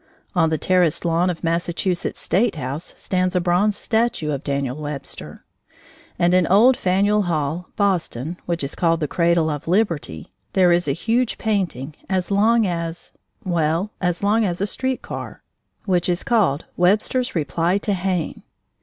On the terraced lawn of Massachusetts' State house stands a bronze statue of Daniel Webster. And in old Faneuil Hall, Boston (which is called the Cradle of Liberty), there is a huge painting, as long as well as long as a street car, which is called "Webster's Reply to Hayne."